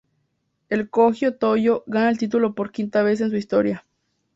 El Kogyo Toyo gana el título por quinta vez en su historia.